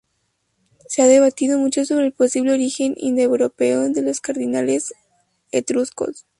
Se ha debatido mucho sobre el posible origen indoeuropeo de los cardinales etruscos.